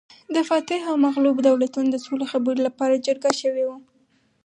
فاتح او مغلوب دولتونه د سولې خبرو لپاره جرګه شوي وو